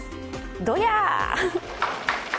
どや！